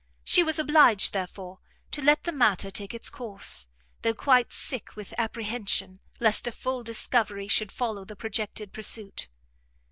She was obliged, therefore, to let the matter take its course, though quite sick with apprehension lest a full discovery should follow the projected pursuit.